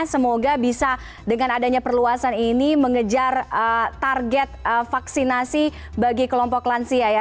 semoga bisa dengan adanya perluasan ini mengejar target vaksinasi bagi kelompok lansia ya